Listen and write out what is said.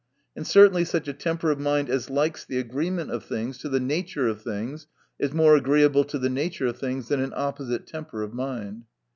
And certainly such a temper of mind as likes the agreement of things to the nature of things, is more agreeable to the nature of things than an opposite temper of mind.